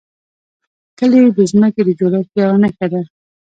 کلي د ځمکې د جوړښت یوه نښه ده.